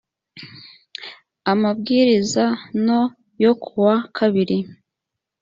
amabwiriza no yo kuwa kabiri